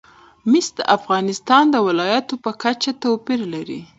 مس د افغانستان د ولایاتو په کچه توپیر لري.